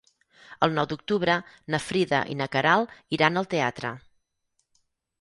El nou d'octubre na Frida i na Queralt iran al teatre.